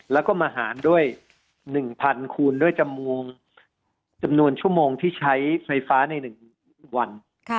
แล้วก็มาหารด้วย๑๐๐คูณด้วยจำวงจำนวนชั่วโมงที่ใช้ไฟฟ้าใน๑วัน